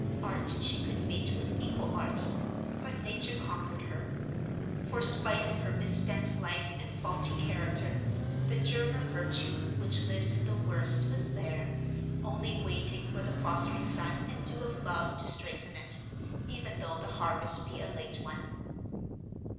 Art she could meet with equal art, but nature conquered her. For spite of her misspent life and faulty character, the germ of virtue, which lives in the worst, was there, only waiting for the fostering sun and dew of love to strengthen it, even though the harvest be a late one.